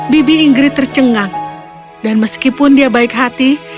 bibi ingrid tercengang dan meskipun dia baik hati